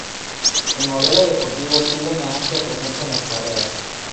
El modelo deportivo tuvo una amplia presencia en las carreras.